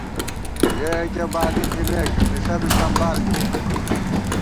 یَہ یَکِہ بالی تھِمېک ، مِݪہ بی سمبال بِبَہ